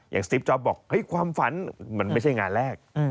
ซิฟจ๊อปบอกความฝันมันไม่ใช่งานแรก